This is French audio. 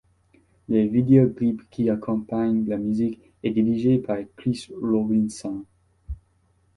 Le vidéoclip qui accompagne la musique est dirigé par Chris Robinson.